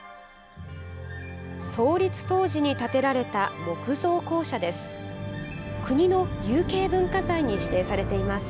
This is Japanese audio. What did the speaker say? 創立当時に建てられた木造校舎です。